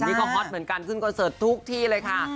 นี่ก็ฮอตเหมือนกันขึ้นคอนเสิร์ตทุกที่เลยค่ะ